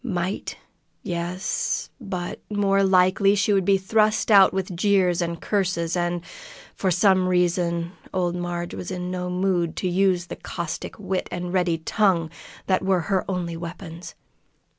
Might? Yes; but more likely she would be thrust out with jeers and curses, and, for some reason, old Marg was in no mood to use the caustic wit and ready tongue that were her only weapons.